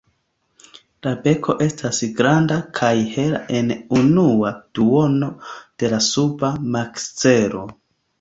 La beko estas granda kaj hela en unua duono de la suba makzelo.